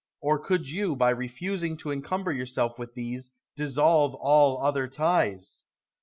Or could you, by refusing to encumber yourself with these, dissolve all other ties?